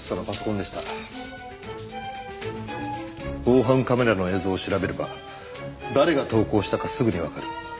防犯カメラの映像を調べれば誰が投稿したかすぐにわかる。